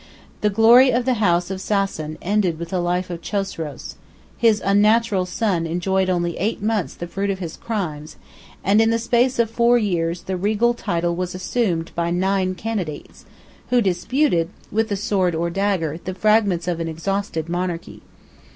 The glory of the house of Sassan ended with the life of Chosroes: his unnatural son enjoyed only eight months the fruit of his crimes: and in the space of four years, the regal title was assumed by nine candidates, who disputed, with the sword or dagger, the fragments of an exhausted monarchy.